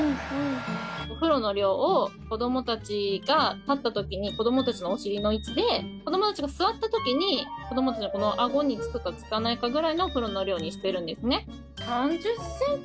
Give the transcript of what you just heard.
お風呂の量を子どもたちが立ったときに子どもたちのお尻の位置で子どもたちが座ったときに子どもたちのあごにつくかつかないかぐらいのお風呂の量にしてるんですね。